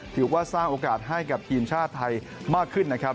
ถือว่าสร้างโอกาสให้กับทีมชาติไทยมากขึ้นนะครับ